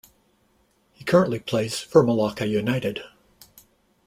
He currently plays for Melaka United.